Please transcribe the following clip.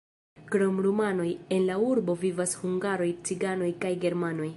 Krom rumanoj, en la urbo vivas hungaroj, ciganoj kaj germanoj.